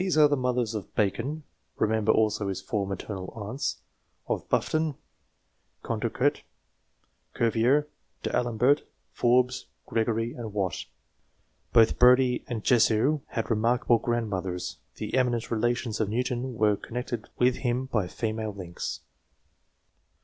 MEN OF SCIENCE 189 the mothers of Bacon (remember also his four maternal aunts), of Buffon, Condorcet, Cuvier, D'Alembert, Forbes, Gregory, and Watt. Both Brodie and Jussieu had remark able grandmothers. The eminent relations of Newton were connected with him by female links.